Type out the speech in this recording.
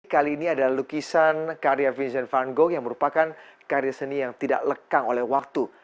kali ini ada lukisan karya vincent van go yang merupakan karya seni yang tidak lekang oleh waktu